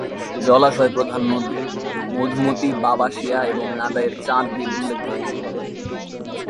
জলাশয় প্রধান নদী:মধুমতি, বাবাশিয়া এবং নাইদায়ের চাঁদ বিল উল্লেখযোগ্য।